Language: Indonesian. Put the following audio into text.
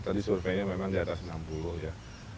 tadi surveinya memang diatas enam puluh ya